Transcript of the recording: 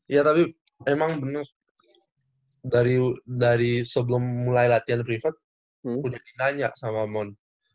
iya tapi emang bener dari sebelum mulai latihan private udah ditanya sama mon